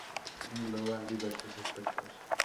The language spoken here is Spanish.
Engloba diversos aspectos.